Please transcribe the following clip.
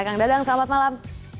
kang dadang selamat malam